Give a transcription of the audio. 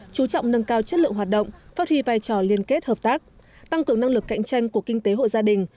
chú trọng nâng cao chất lượng hoạt động phát huy vai trò liên kết hợp tác tăng cường năng lực cạnh tranh của kinh tế hộ gia đình